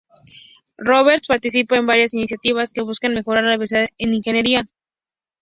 Stiff-Roberts participa en varias iniciativas que buscan mejorar la diversidad en ingeniería.